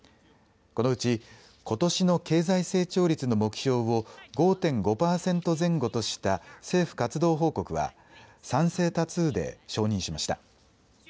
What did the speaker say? このうちことしの経済成長率の目標を５．５％前後とした政府活動報告は賛成多数で承認しました。